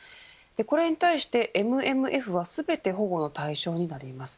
これに対してＭＭＦは全て保護の対象になります。